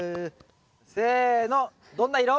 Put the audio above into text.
せのどんな色？